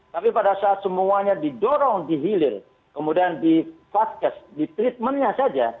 tapi pada saat semuanya didorong dihilir kemudian di fac cast di treatment nya saja